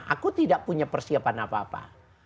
aku tidak punya persiapan apa apa